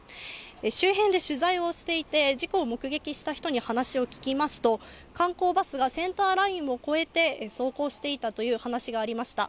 周辺で取材をしていて、事故を目撃した人に話を聞きますと、観光バスがセンターラインを越えて、走行していたという話がありました。